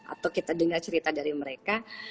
atau kita dengar cerita dari mereka